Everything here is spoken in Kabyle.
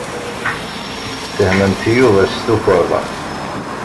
Ttehment Yuba s tukerḍa.